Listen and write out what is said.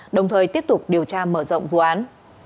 đồng thời tiếp tục điều tra mở rộng vụ án